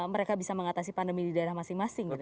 mereka bisa mengatasi pandemi di daerah masing masing gitu